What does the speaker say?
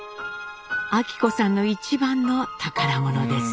昭子さんの一番の宝物です。